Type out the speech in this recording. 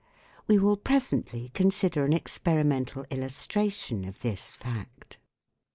We will presently consider an experimental illustration of this fact.